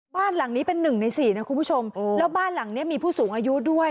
บ้านหลังนี้เป็นหนึ่งในสี่นะคุณผู้ชมแล้วบ้านหลังเนี้ยมีผู้สูงอายุด้วย